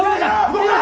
動くな！